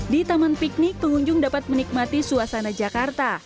di taman piknik pengunjung dapat menikmati suasana jakarta